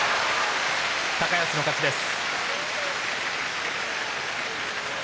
高安の勝ちです。